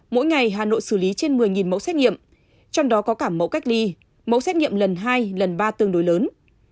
mỗi ngày hà nội xử lý trên một mươi mẫu xét nghiệm trong đó có cả mẫu cách ly mẫu xét nghiệm lần hai lần ba tương đối lớn